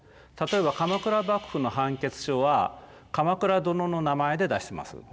例えば鎌倉幕府の判決書は鎌倉殿の名前で出してます。